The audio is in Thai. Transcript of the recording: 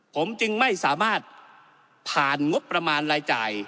ผมจึงไม่สามารถผ่านงบประมาณรายจ่าย